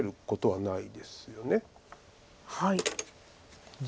はい。